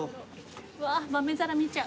うわ豆皿見ちゃう。